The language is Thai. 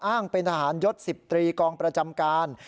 อ้างเป็นทหารยศ๑๐ตรีกองประจำการ